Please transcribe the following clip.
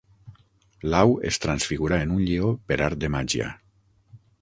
L'au es transfigurà en un lleó per art de màgia.